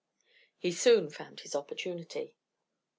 He soon found his opportunity.